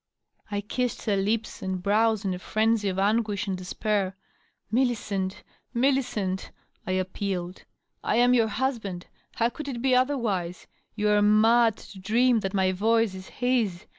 I kissed her lips and brows in a frenzy of anguish and despair. " Milli cent! Millicent!" I appealed, "I am your husband! How could it be otherwise? You are mad to dream that my voice is his.